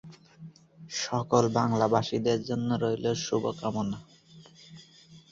Swift চমৎকার লেখক হিসেবে তার ব্যাঙ্গাত্মক-কবিতা রচনার জন্যে প্রসিদ্ধ ছিলেন।